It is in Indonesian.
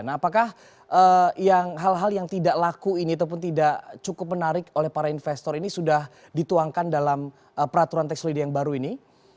nah apakah hal hal yang tidak laku ini ataupun tidak cukup menarik oleh para investor ini sudah dituangkan dalam peraturan tax holiday yang baru ini